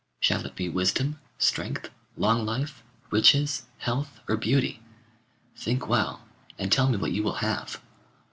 Shall it be wisdom, strength, long life, riches, health, or beauty? Think well, and tell me what you will have.